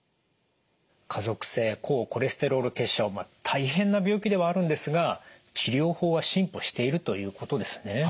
家族性高コレステロール血症大変な病気ではあるんですが治療法は進歩しているということですね。